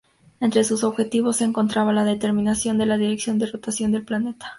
Entre sus objetivos, se encontraba la determinación de la dirección de rotación del planeta.